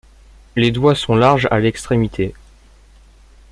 Les doigts sont larges à l'extrémité.